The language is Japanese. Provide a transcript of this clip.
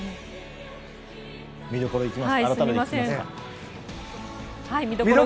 見どころいきますか。